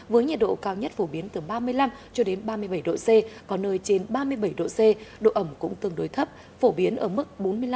với nhiệt độ cao nhất phổ biến từ ba mươi năm ba mươi bảy độ c có nơi trên ba mươi bảy độ c độ ẩm cũng tương đối thấp phổ biến ở mức bốn mươi năm năm mươi năm